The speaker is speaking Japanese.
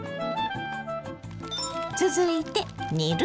続いて「煮る」